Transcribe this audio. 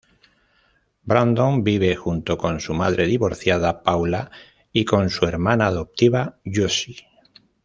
Brendon vive junto con su madre divorciada, Paula, y con su hermana adoptiva Josie.